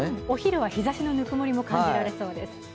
お昼は日ざしのぬくもりも感じられそうです。